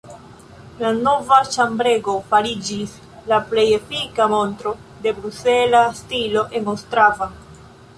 La nova ĉambrego fariĝis la plej efika montro de brusela stilo en Ostrava.